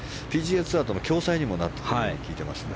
ＰＧＡツアーとの共催になっているとも聞いていましたが。